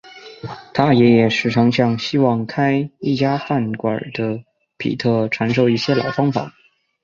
他爷爷时常向希望开一家饭馆的比特传授一些老方法。